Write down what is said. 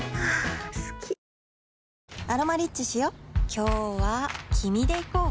今日は君で行こう